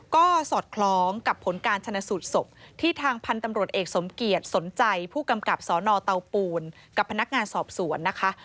ก็สอดคล้องกับผลการชนะสูตรศพที่ทางพันธุ์ตำรวจเอกสมเกียจสนใจผู้กำกับสนเตาปูนกับพนักงานสอบสวนนะคะ